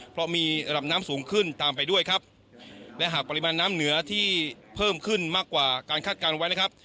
เพราะมีระดับน้ำสูงขึ้นตามไปด้วยครับและหากปริมาณน้ำเหนือที่เพิ่มขึ้นมากกว่าการคาดการณ์ไว้นะครับ